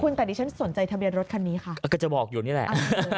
แต่ดิฉันสนใจทะเบียนรถคันนี้ค่ะก็จะบอกอยู่นี่แหละ